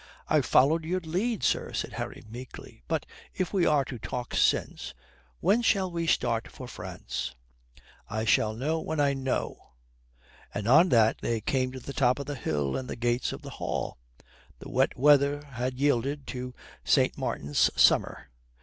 "I followed your lead, sir," said Harry meekly. "But if we are to talk sense when shall we start for France?" "You shall know when I know." And on that they came to the top of the hill and the gates of the Hall. The wet weather had yielded to St. Martin's summer.